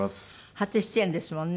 初出演ですものね。